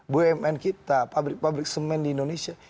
bumn kita pabrik pabrik semen di indonesia